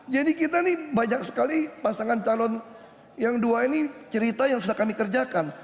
jadi kita nih banyak sekali pasangan calon yang dua ini cerita yang sudah kami kerjakan